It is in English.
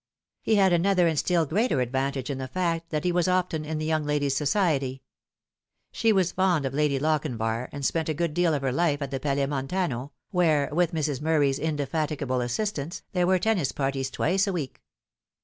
He had another and still greater advantage in the fact that he was often in the young lady's society. She was fond of Lady Lochinvar, and spent a good deal of her life at the Palais Montano, where, with Mrs. Murray's indefatigable assistance, there were tennis parties twice a week.